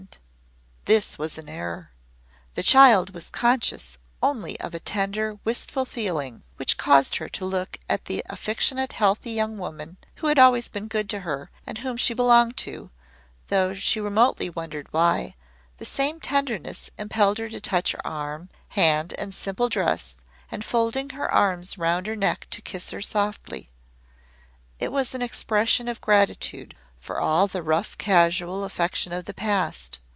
But this was an error. The child was conscious only of a tender, wistful feeling, which caused her to look at the affectionate healthy young woman who had always been good to her and whom she belonged to, though she remotely wondered why the same tenderness impelled her to touch her arm, hand and simple dress, and folding her arms round her neck to kiss her softly. It was an expression of gratitude for all the rough casual affection of the past.